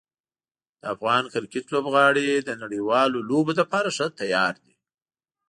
د افغان کرکټ لوبغاړي د نړیوالو لوبو لپاره ښه تیار دي.